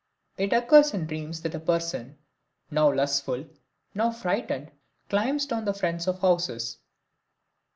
It occurs in dreams that a person, now lustful, now frightened, climbs down the fronts of houses.